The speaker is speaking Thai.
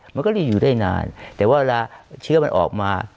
มันก็รีบอยู่ได้นานแต่ว่าเวลาเชื้อมันออกมา